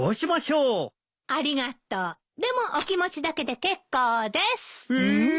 ありがとうでもお気持ちだけで結構です。